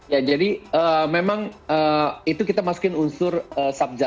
ya jadi memang itu kita masukin unsur subja